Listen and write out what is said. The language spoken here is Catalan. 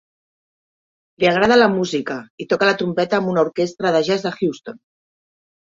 Li agrada la música i toca la trompeta amb una orquestra de jazz de Houston.